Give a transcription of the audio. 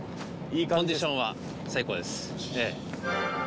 コンディションは最高です。